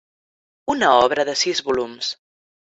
Una obra de sis volums.